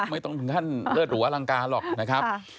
ไม่ต้องถึงขั้นเลิศหรูอลังการหรอกนะครับ